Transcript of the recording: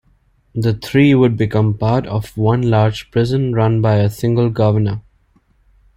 The three would become part of one large prison run by a single governor.